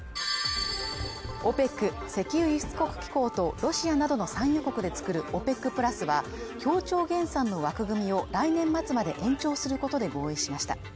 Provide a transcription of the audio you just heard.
ＯＰＥＣ＝石油輸出国機構とロシアなどの産油国でつくるＯＰＥＣプラスは協調減産の枠組みを来年末まで延長することで合意しました。